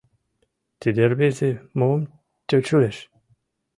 Тиде рвезе мом тӧчылеш?